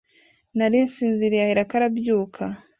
Nari nsinziriye » Aherako arabyuka